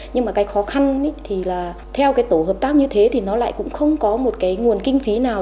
nhưng mà cái khó khăn thì là theo cái tổ hợp tác như thế thì nó lại cũng không có một cái nguồn kinh phí nào